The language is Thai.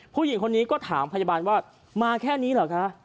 ผู้หญิงคนนี้ก็ถามพยาบาลว่ามาแค่นี้เหรอคะ